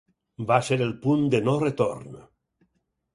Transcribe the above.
Va ser el punt de no-retorn.